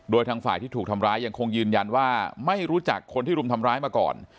โดยทางฝ่ายที่ถูกทำร้ายยังคงยืนยันว่าไม่รู้จักคนที่รุมทำร้ายมาก่อน